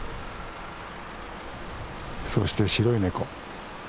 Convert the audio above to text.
そして白いネコ。